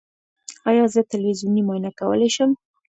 ایا زه تلویزیوني معاینه کولی شم؟